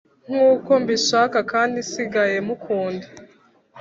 Nkuko mbishaka kandi nsigaye mukunda